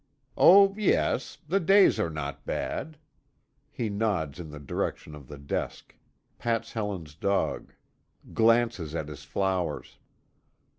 "Oh, yes. The days are not bad." He nods in the direction of the desk; pats Helen's dog; glances at his flowers.